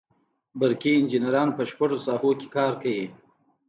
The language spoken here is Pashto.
برقي انجینران په شپږو ساحو کې کار کوي.